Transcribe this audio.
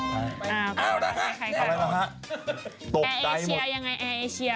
เอาล่ะแอร์เอเชียยังไงแอร์เอเชีย